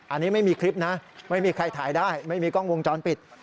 อันนี้ไม่มีคลิปนะไม่มีใครถ่ายได้ไม่มีกล้องวงจรปิด